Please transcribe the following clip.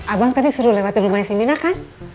abang tadi suruh lewati rumahnya si mina kan